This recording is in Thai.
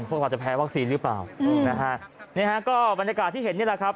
คนอาจจะแพ้วัคซีนหรือเปล่านะฮะนี่ฮะก็บรรยากาศที่เห็นนี่แหละครับ